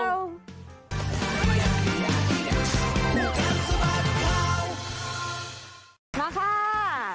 มาค่ะ